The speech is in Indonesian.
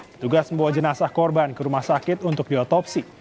petugas membawa jenazah korban ke rumah sakit untuk diotopsi